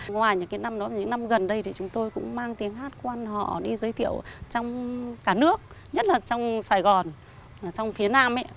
ngoài những năm gần đây chúng tôi cũng mang tiếng hát quan họ đi giới thiệu trong cả nước nhất là trong sài gòn trong phía nam